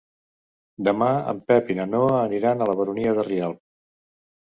Demà en Pep i na Noa aniran a la Baronia de Rialb.